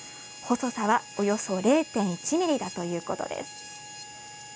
細さはおよそ０．１ｍｍだということです。